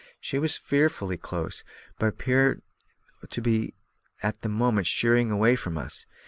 She was fearfully close, but appeared to be at the moment sheering away from us.